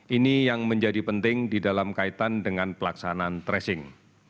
ini yang menjadi penting di dalam kaitan dengan pelaksanaan tracing